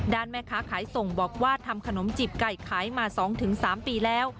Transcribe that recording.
แม่ค้าขายส่งบอกว่าทำขนมจีบไก่ขายมา๒๓ปีแล้ว